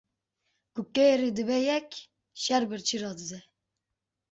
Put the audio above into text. Ku kerî dibe yek, şêr birçî radize.